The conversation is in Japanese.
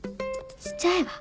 しちゃえば？